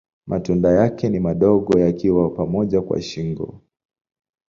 Matunda yake ni madogo yakiwa pamoja kwa shingo.